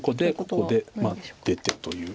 ここで出てという。